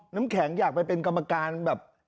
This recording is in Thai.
น้ำแข็งอยากไปเป็นกรรมการแบบ